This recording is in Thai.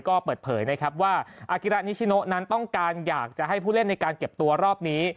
ก็เปิดเผยนะครับว่าอากิระนิชิโนนั้นต้องการอยากจะให้ผู้เล่นในการเก็บตัวรอบนี้